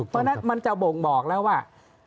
เพราะฉะนั้นมันจะบ่งบอกแล้วว่า